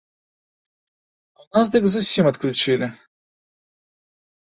А ў нас дык зусім адключылі.